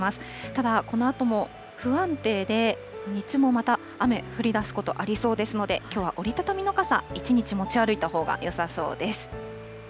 ただ、このあとも不安定で、日中もまた雨、降りだすことありそうですので、きょうは折り畳みの傘、一日持ち歩いたほうがよさそうです。